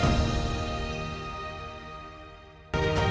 kepala masyarakat di indonesia